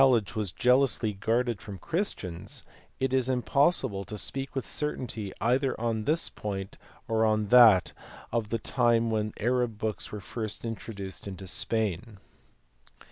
ledge was jealously guarded from Christians, it is impossible to speak with certainty either on this point or on that of the time when the Arab books were first introduced into Spain.